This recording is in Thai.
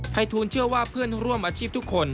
ทูลเชื่อว่าเพื่อนร่วมอาชีพทุกคน